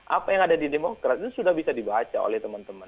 apa yang ada di demokrat itu sudah bisa dibaca oleh teman teman